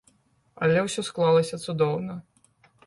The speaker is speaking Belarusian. Але ўсё склалася цудоўна.